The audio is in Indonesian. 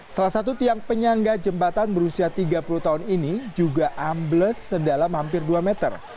salah satu tiang penyangga jembatan berusia tiga puluh tahun ini juga ambles sedalam hampir dua meter